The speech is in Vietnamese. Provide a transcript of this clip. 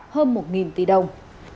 hơn một tỷ đồng